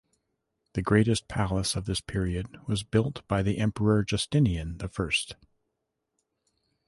The greatest palace of this period was built by the Emperor Justinian the First.